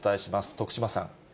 徳島さん。